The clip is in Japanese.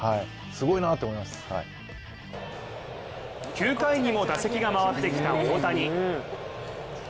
９回にも打席が回ってきた大谷。